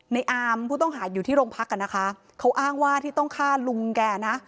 อามผู้ต้องหาอยู่ที่โรงพักอ่ะนะคะเขาอ้างว่าที่ต้องฆ่าลุงแกนะ